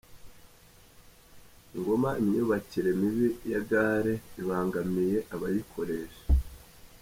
Ngoma Imyubakire mibi ya gare ibangamiye abayikoresha